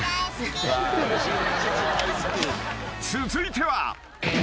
［続いては］